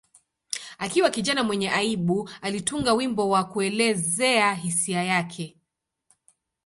Akiwa kijana mwenye aibu, alitunga wimbo wa kuelezea hisia zake.